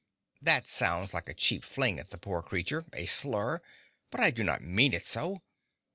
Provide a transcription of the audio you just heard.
That sounds like a cheap fling at the poor creature, a slur; but I do not mean it so.